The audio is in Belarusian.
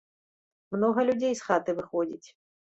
Многа людзей з хаты выходзіць.